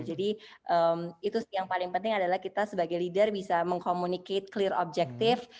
jadi itu sih yang paling penting adalah kita sebagai leader bisa mengkomunicate clear objective